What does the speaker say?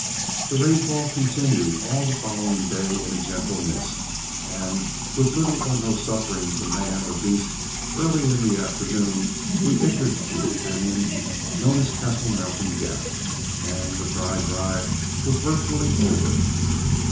The rainfall continued all the following day in a gentle mist, and with little or no suffering to man or beast early in the afternoon we entered the cañon known as Castle Mountain Gap, and the dry drive was virtually over.